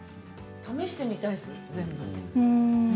試してみたいです、全部。